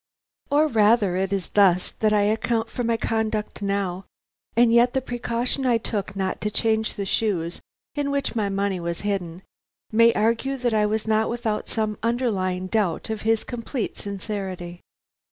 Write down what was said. "Or rather it is thus that I account for my conduct now, and yet the precaution I took not to change the shoes in which my money was hidden, may argue that I was not without some underlying doubt of his complete sincerity.